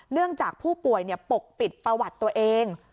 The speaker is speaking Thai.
เนื่องจากผู้ป่วยปกปิดประวัติตัวเอง